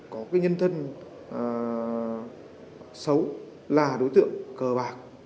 có cái nhân thân xấu là đối tượng cờ bạc